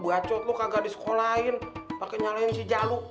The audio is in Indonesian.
aduh bacot lu kagak disekolahin pake nyalahin si jalu